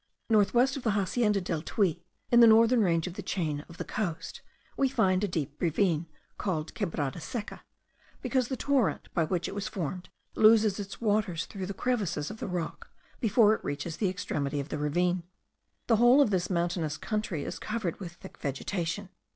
North west of the Hacienda del Tuy, in the northern range of the chain of the coast, we find a deep ravine, called the Quebrada Seca, because the torrent, by which it was formed, loses its waters through the crevices of the rock, before it reaches the extremity of the ravine. The whole of this mountainous country is covered with thick vegetation.